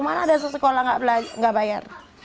mana ada sekolah nggak bayar